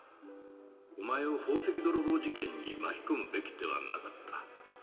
お前を宝石泥棒事件に巻き込むべきではなかった。